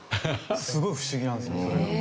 すごい不思議なんですよねそれが。